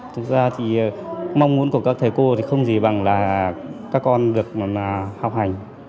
thực ra thì mong muốn của các thầy cô thì không gì bằng là các con được học hành